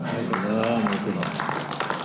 waalaikumsalam warahmatullahi wabarakatuh